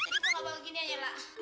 jadi gua gak pakai gini aja lah